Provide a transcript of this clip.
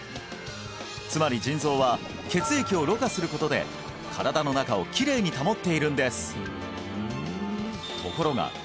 つまり腎臓は血液をろ過することで身体の中をきれいに保っているんですところが